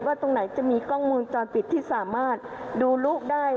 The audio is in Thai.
ตรงไหนจะมีกล้องมูลจรปิดที่สามารถดูลูกได้